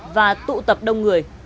và tụ tập đông người